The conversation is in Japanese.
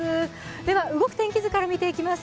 では動く天気図から見ていきます。